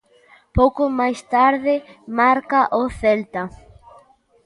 Pouco máis tarde marca o Celta.